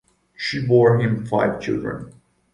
She bore him five children.